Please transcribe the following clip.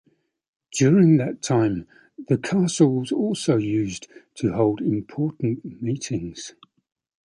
During that time the castle was also used to hold important meetings.